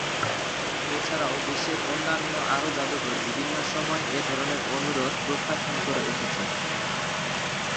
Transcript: এছাড়াও বিশ্বের অন্যান্য আরও জাদুঘর বিভিন্ন সময়ে এ ধরনের অনুরোধ প্রত্যাখান করে এসেছে।